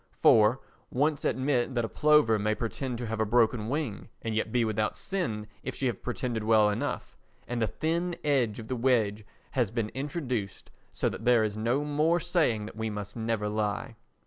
For, once admit that a plover may pretend to have a broken wing and yet be without sin if she have pretended well enough, and the thin edge of the wedge has been introduced so that there is no more saying that we must never lie.